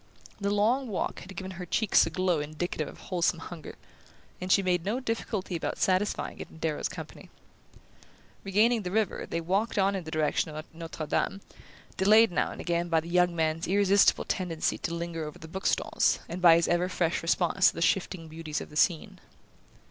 The long walk had given her cheeks a glow indicative of wholesome hunger, and she made no difficulty about satisfying it in Darrow's company. Regaining the river they walked on in the direction of Notre Dame, delayed now and again by the young man's irresistible tendency to linger over the bookstalls, and by his ever fresh response to the shifting beauties of the scene.